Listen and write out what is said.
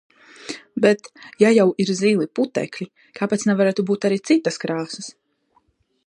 Bet, ja jau ir zili putekļi, kāpēc nevarētu būt arī citas krāsas?